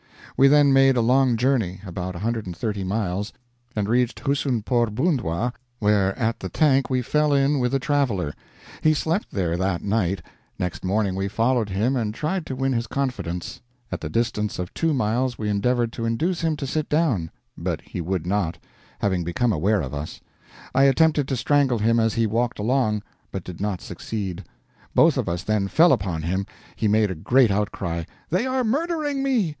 We then made a long journey (about 130 miles) and reached Hussunpore Bundwa, where at the tank we fell in with a traveler he slept there that night; next morning we followed him and tried to win his confidence; at the distance of two miles we endeavored to induce him to sit down but he would not, having become aware of us. I attempted to strangle him as he walked along, but did not succeed; both of us then fell upon him, he made a great outcry, 'They are murdering me!'